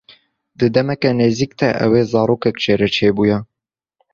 Di demeke nêzik de ew ê zarokek jê re çêbûya.